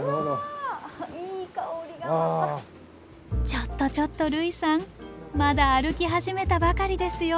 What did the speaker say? ちょっとちょっと類さんまだ歩き始めたばかりですよ。